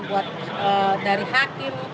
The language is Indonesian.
buat dari hakim